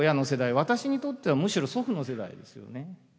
私にとってはむしろ祖父の世代ですよね。